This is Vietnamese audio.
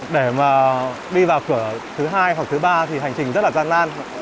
để mà đi vào cửa thứ hai hoặc thứ ba thì hành trình rất là gian nan